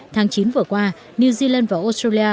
tháng chín vừa qua new zealand và australia